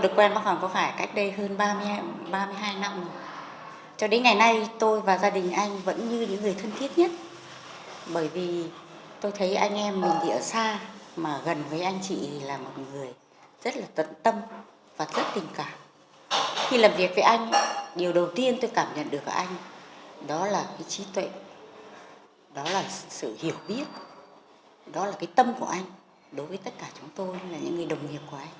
đối với tất cả chúng tôi là những người đồng nghiệp của anh